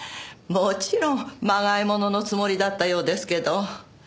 もちろんまがい物のつもりだったようですけど。